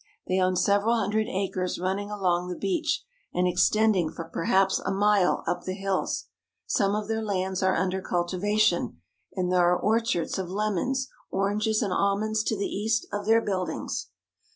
They own several hun dred acres running along the beach and extending for perhaps a mile up the hills. Some of their lands are under cultivation, and there are orchards of lemons, oranges, and almonds to the east of their buildings.